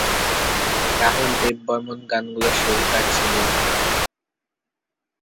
রাহুল দেব বর্মণ গানগুলোর সুরকার ছিলেন।